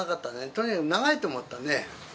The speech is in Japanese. とにかく長いと思ったね。